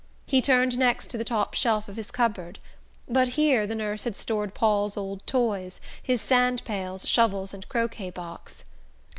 He turned next to the top shelf of his cupboard; but here the nurse had stored Paul's old toys, his sand pails, shovels and croquet box.